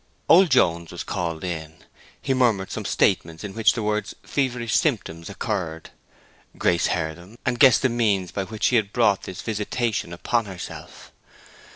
Old Jones was called in; he murmured some statements in which the words "feverish symptoms" occurred. Grace heard them, and guessed the means by which she had brought this visitation upon herself.